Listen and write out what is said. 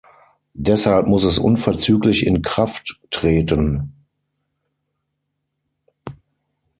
Deshalb muss es unverzüglich in Kraft treten.